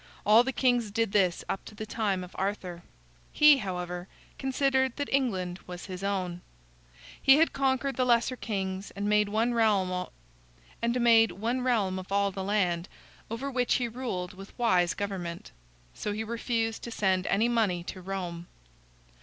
All the kings did this up to the time of Arthur. He, however, considered that England was his own. He had conquered the lesser kings, and made one realm of all the land, over which he ruled with wise government. So he refused to send any money to Rome.